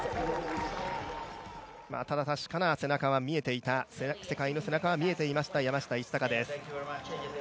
ただ世界の背中は見えていました山下一貴です。